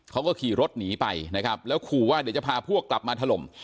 เขาก็ขี่รถหนีไปนะครับแล้วขู่ว่าเดี๋ยวจะพาพวกกลับมาถล่ม